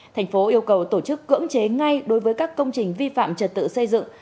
thành phố yêu cầu tổ chức cưỡng chế ngay đối với các công trình vi phạm trật tự xây dựng